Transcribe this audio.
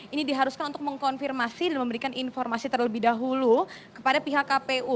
ini diharuskan untuk mengkonfirmasi dan memberikan informasi terlebih dahulu kepada pihak kpu